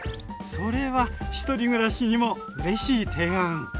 それは１人暮らしにもうれしい提案！